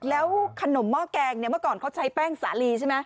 แล้วขนมเมาะแกงมาก่อนเขาใช้แป้งสาลีใช่ไหม